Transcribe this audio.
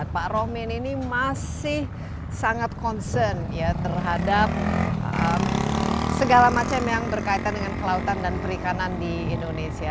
pak rohmin ini masih sangat concern ya terhadap segala macam yang berkaitan dengan kelautan dan perikanan di indonesia